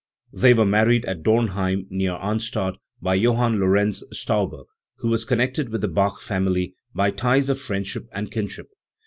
They were married at Dornheim, near Arnstadt, by Johann Lorenz Stauber, who was connected with the Bach family by ties of friendship and kinship.